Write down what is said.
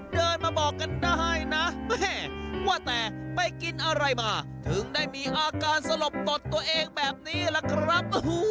เดินมาบอกกันได้นะว่าแต่ไปกินอะไรมาถึงได้มีอาการสลบตดตัวเองแบบนี้ล่ะครับ